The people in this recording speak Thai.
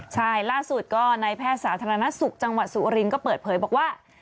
ใช่ล่าสุดก็ในแพทย์สาธารณสุขจังหวัดสุรินทร์ก็เปิดเผยบอกว่า